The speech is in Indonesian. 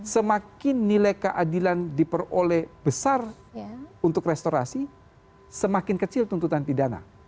semakin nilai keadilan diperoleh besar untuk restorasi semakin kecil tuntutan pidana